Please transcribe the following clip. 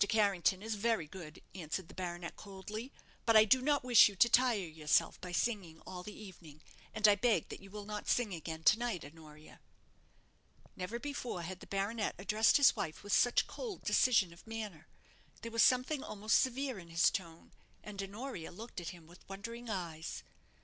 Carrington is very good," answered the baronet, coldly, "but I do not wish you to tire yourself by singing all the evening; and I beg that you will not sing again to night, Honoria." Never before had the baronet addressed his wife with such cold decision of manner. There was something almost severe in his tone, and Honoria looked at him with wondering eyes.